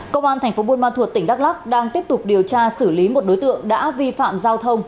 công an tp buôn ma thuật tỉnh đắk lắk đang tiếp tục điều tra xử lý một đối tượng đã vi phạm giao thông